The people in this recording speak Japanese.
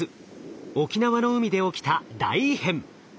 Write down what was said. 沖縄の海で起きた大異変。